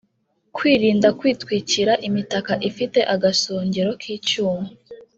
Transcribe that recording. kwirinda kwitwikira imitaka ifite agasongero kicyuma